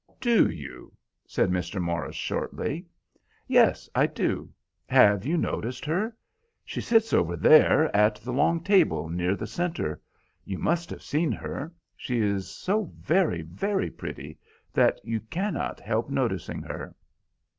"Do you?" said Mr. Morris, shortly. "Yes, I do. Have you noticed her? She sits over there at the long table near the centre. You must have seen her; she is so very, very pretty, that you cannot help noticing her."